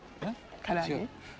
唐揚げ？